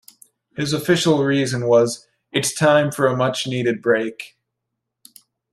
His official reason was "It's time for a much needed break".